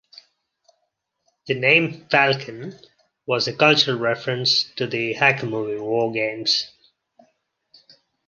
The name Falken was a cultural reference to the hacker movie WarGames.